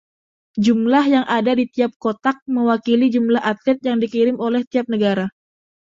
Jumlah yang ada di tiap kotak mewakili jumlah atlet yang dikirim oleh tiap negara.